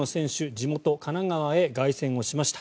地元・神奈川へ凱旋しました。